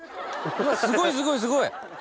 すごいすごいすごい！